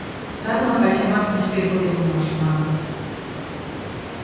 Садымак ачамат туштен коден улмаш, — манын.